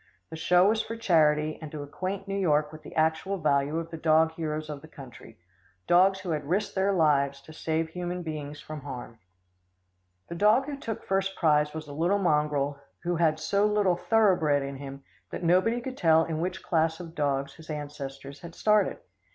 The show was for charity, and to acquaint New York with the actual value of the dog heroes of the country dogs who had risked their lives to save human beings from harm. The dog who took first prize was a little mongrel who had so little thoroughbred in him, that nobody could tell in which class of dogs his ancestors had started.